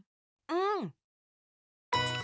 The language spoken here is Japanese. うん！